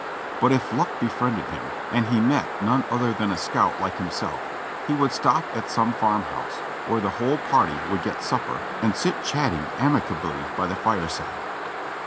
But if luck befriended him, and he met none other than a scout like himself, he would stop at some farm house, where the whole party would get supper and sit chatting ami cably by the fireside.